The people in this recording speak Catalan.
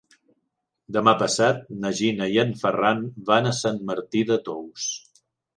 Demà passat na Gina i en Ferran van a Sant Martí de Tous.